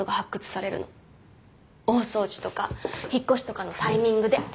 大掃除とか引っ越しとかのタイミングで。